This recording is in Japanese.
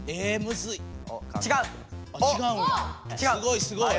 すごいすごい。